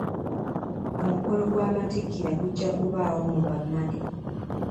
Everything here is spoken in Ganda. Omukolo gw'amatikkira gujja kubawo mu Bamadi.